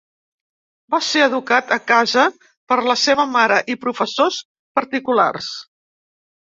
Va ser educat a casa per la seva mare i professores particulars.